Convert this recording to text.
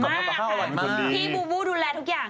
มากค่ะพี่บูบูดูแลทุกอย่าง